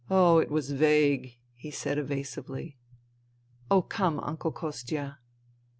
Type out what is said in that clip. It was vague," he said evasively. " Oh, come, Uncle Kostia